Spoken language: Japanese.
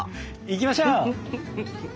いきましょう！